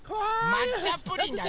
まっちゃプリンだね。